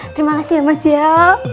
terima kasih ya mas ya